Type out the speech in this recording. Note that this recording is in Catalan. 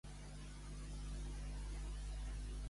Ai, que de què!